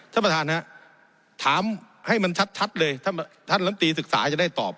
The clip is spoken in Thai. ท่านประธานฮะถามให้มันชัดเลยท่านลำตีศึกษาจะได้ตอบ